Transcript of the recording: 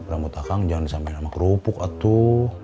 rambut akang jangan sampein sama kerupuk atuh